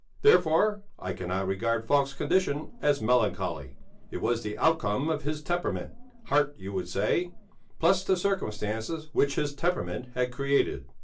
Therefore I cannot regard Falk's condition as melancholy; it was the outcome of his temperament (heart you would say) plus the circumstances which his temperament had created.